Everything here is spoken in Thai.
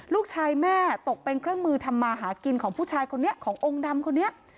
ลูกชายแม่ตกเป็นเครื่องมือทำมาหากินของผู้ชายคนนี้ขององค์ดำคนนี้